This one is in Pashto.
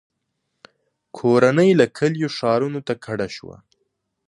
• کورنۍ له کلیو ښارونو ته کډه شوه.